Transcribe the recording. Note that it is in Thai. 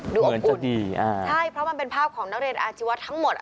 เหมือนจะดีอ่าใช่เพราะมันเป็นภาพของนักเรียนอาชีวะทั้งหมดอ่ะ